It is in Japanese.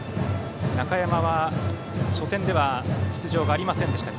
中山は初戦では出場がありませんでした。